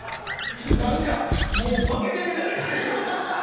もう負けてるじゃないですか。